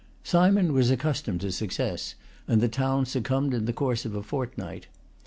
Simon was ac customed to success, and the town succumbed in the course of a fortnight.